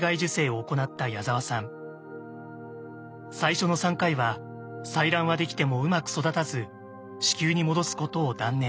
最初の３回は採卵はできてもうまく育たず子宮に戻すことを断念。